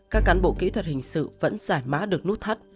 các cán bộ kỹ thuật hình sự vẫn giải mã được nút thắt